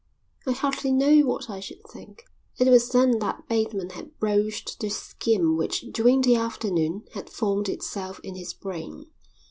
I hardly know what I should think." It was then that Bateman had broached the scheme which during the afternoon had formed itself in his brain.